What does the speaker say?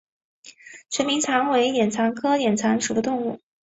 囊明蚕为眼蚕科明蚕属的动物。